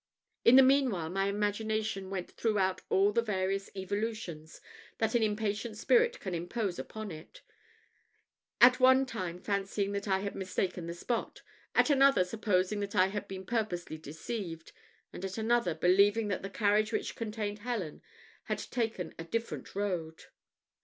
In the meanwhile, my imagination went throughout all the various evolutions that an impatient spirit can impose upon it; at one time fancying that I had mistaken the spot; at another, supposing that I had been purposely deceived; and at another, believing that the carriage which contained Helen had taken a different road.